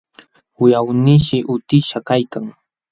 Wiqawnishi utishqa kaykan,